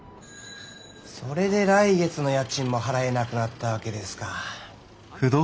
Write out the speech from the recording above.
それで来月の家賃も払えなくなったわけですか。